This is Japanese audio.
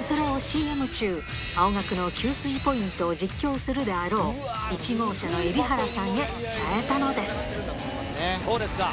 それをＣＭ中、青学の給水ポイントを実況するであろう１号車の蛯原さんへ伝えたそうですか。